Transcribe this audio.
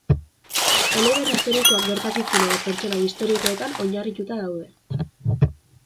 Eleberri historikoak gertakizun edo pertsonai historikoetan oinarrituta daude.